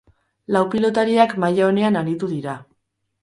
Lau pilotariak maila onean aritu dira.